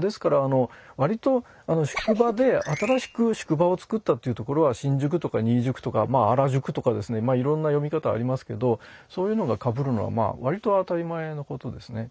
ですから割と宿場で新しく宿場を作ったっていう所は「しんじゅく」とか「にいじゅく」とか「あらじゅく」とかですねいろんな読み方ありますけどそういうのがかぶるのは割と当たり前のことですね。